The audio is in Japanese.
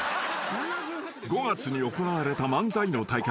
［５月に行われた漫才の大会